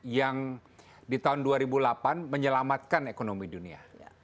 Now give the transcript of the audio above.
yang di tahun dua ribu delapan menyelamatkan ekonomi dunia